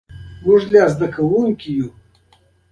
د زړه درزا د فزیکي فعالیت سره لوړېږي.